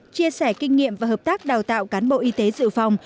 chia sẻ kinh nghiệm và hợp tác đào tạo cán bộ y tế dự phòng